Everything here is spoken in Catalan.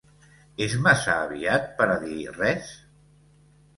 És massa aviat per a dir res?